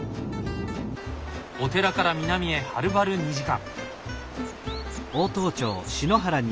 お寺から南へはるばる２時間！